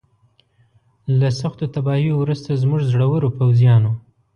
له سختو تباهیو وروسته زموږ زړورو پوځیانو.